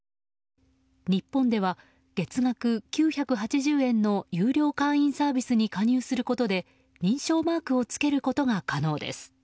日本では月額９８０円の有料会員サービスに加入することで認証マークをつけることが可能です。